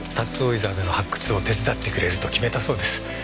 沢での発掘を手伝ってくれると決めたそうです。